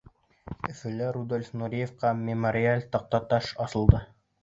Өфөлә Рудольф Нуриевҡа мемориаль таҡтаташ асылды.